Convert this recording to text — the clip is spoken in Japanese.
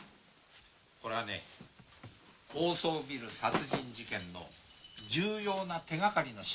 これはね高層ビル殺人事件の重要な手がかりの品なんだ。